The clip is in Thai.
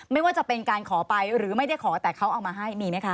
ไม่ว่าจะเป็นการขอไปหรือไม่ได้ขอแต่เขาเอามาให้มีไหมคะ